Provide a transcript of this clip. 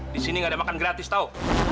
di sini nggak ada makan gratis tau